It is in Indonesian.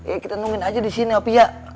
eh kita nungguin aja disini opi ya